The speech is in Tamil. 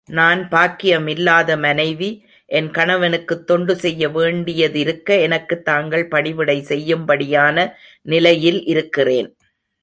நான் பாக்கியமில்லாத மனைவி, என் கணவனுக்குத் தொண்டு செய்ய வேண்டியதிருக்க, எனக்குத் தாங்கள் பணிவிடை செய்யும்படியான நிலையில் இருக்கிறேன்.